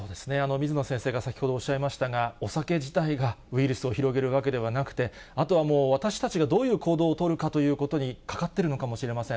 水野先生が先ほどおっしゃいましたが、お酒自体がウイルスを広げるわけではなくて、あとはもう私たちがどういう行動を取るかということにかかってるのかもしれません。